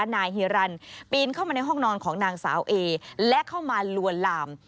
นายฮิรันปีนเข้ามาในห้องนอนของนางสาวเอและเข้ามาลวนลาม